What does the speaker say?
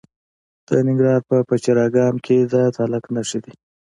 د ننګرهار په پچیر اګام کې د تالک نښې دي.